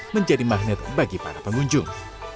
menjadi magnet bagi para pengunjung